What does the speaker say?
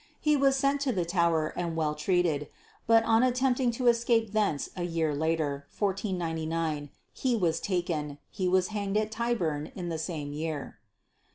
He was sent to the Tower and well treated; but on attempting to escape thence a year later, 1499, he was taken. He was hanged at Tyburn in the same year.